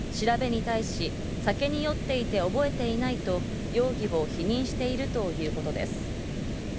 調べに対し、酒に酔っていて覚えていないと容疑を否認しているということです。